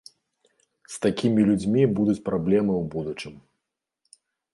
З такімі людзьмі будуць праблемы ў будучым.